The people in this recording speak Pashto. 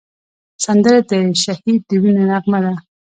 سندره د شهید د وینې نغمه ده